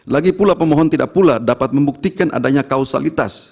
lagi pula pemohon tidak pula dapat membuktikan adanya kausalitas